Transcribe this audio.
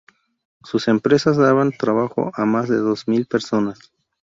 Sus empresas daban trabajo a más de dos mil personas.